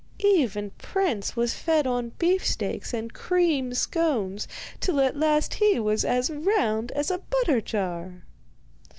Even Prince was fed on beefsteaks and cream scones till at last he was as round as a butter jar.